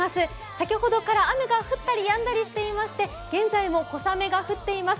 先ほどから雨が降ったりやんだりしていまして現在も小雨が降っています。